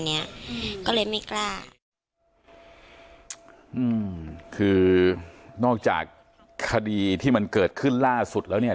เอิ้มคือนอกจากดีที่มันเกิดขึ้นล่าสุดแล้วเนี้ย